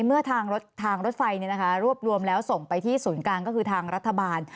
เมื่อทางรถไฟรวบรวมแล้วส่งไปที่ศูนย์กลางก็คือทางรัฐบาล